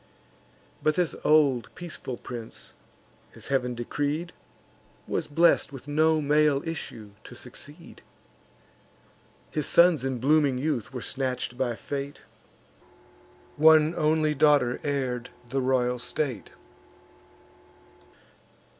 But this old peaceful prince, as Heav'n decreed, Was blest with no male issue to succeed: His sons in blooming youth were snatch'd by fate; One only daughter heir'd the royal state.